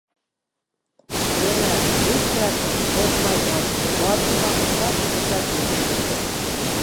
يەنە ھېچ نەرسىدىن قورقمايدىغان باتۇرلارغا خاس خىسلەت يېتىلدۈردى.